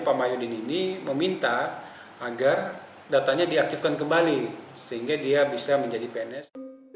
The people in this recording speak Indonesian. pak mahyudin ini meminta agar datanya diaktifkan kembali sehingga dia bisa menjadi pns